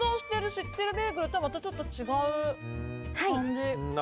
知ってるベーグルとはまたちょっと違う感じ。